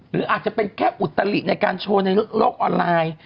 หรืออาจจะเป็นแค่อุตลิในการโชว์ในโลกออนไลน์